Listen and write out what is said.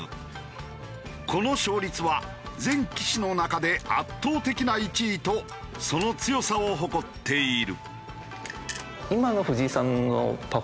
この勝率は全棋士の中で圧倒的な１位とその強さを誇っている。